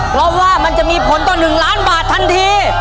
เพราะว่ามันจะมีผลต่อ๑ล้านบาททันที